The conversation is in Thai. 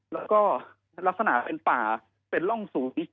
แล้วก็ลักษณะเป็นป่าเป็นร่องสูง